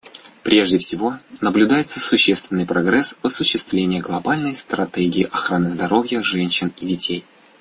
Прежде всего, наблюдается существенный прогресс в осуществлении Глобальной стратегии охраны здоровья женщин и детей.